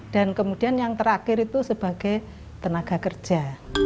dan kemudian yang terakhir itu sebagai tenaga kerja